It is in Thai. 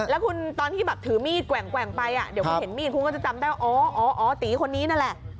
แล้วคุณตอนที่แบบถือมีดแกว่งไปเดี๋ยวคุณเห็นมีดคุณก็จะจำได้อ๋ออ๋อตีคนนี้นั่นแหละ